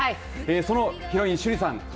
そのヒロイン、趣里さん。